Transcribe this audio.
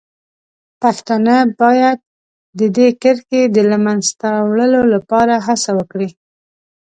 پښتانه باید د دې کرښې د له منځه وړلو لپاره هڅه وکړي.